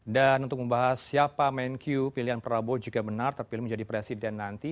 dan untuk membahas siapa menq pilihan prabowo juga benar terpilih menjadi presiden nanti